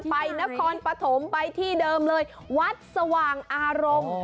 ไปนครปฐมไปที่เดิมเลยวัดสว่างอารมณ์